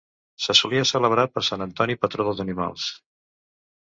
Se solia celebrar per sant Antoni, patró dels animals.